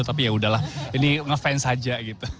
tapi yaudah lah ini ngefans aja